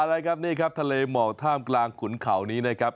อะไรครับนี่ครับทะเลหมอกท่ามกลางขุนเขานี้นะครับ